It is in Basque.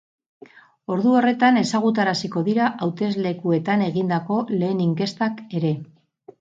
Ordu horretan ezagutaraziko dira hauteslekuetan egindako lehen inkestak ere.